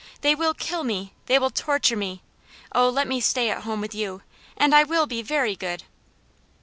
They will kill me! they will torture me! Oh, let me stay at home with you, and I will be very good."